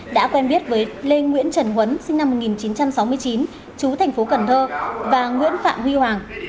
đã quen biết với lê nguyễn trần huấn sinh năm một nghìn chín trăm sáu mươi chín chú thành phố cần thơ và nguyễn phạm huy hoàng